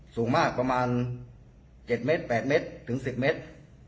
สูงมากประมาณ๗เมตร๘เมตรถึง๑๐เมตร